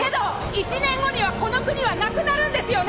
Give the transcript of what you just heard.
一年後にはこの国はなくなるんですよね！？